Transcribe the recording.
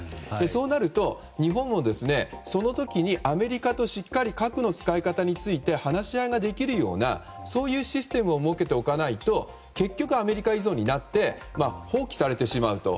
そうなると日本も、その時にアメリカとしっかり核の使い方について話し合いができるようなそういうシステムを設けておかないと結局アメリカ依存になって放置されてしまうと。